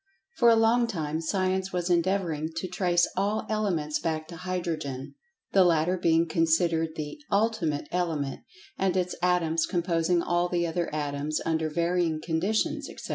[Pg 90] For a long time Science was endeavoring to trace all elements back to Hydrogen, the latter being considered the "Ultimate Element," and its atoms composing all the other atoms, under varying conditions, etc.